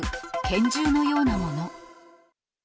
拳銃のようなもの。